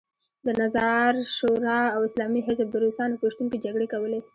د نظار شورا او اسلامي حزب د روسانو په شتون کې جګړې کولې.